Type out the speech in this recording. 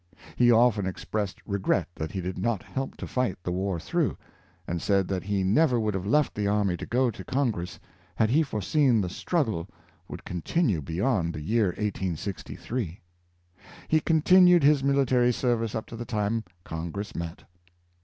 He often expressed regret that he did not help to fight the war through, and said that he never would have left the army to go to Con gress had he foreseen that the struggle would continue beyond the year 1863. He continued his military ser vice up to the time Congress met.